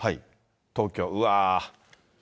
東京、うわー。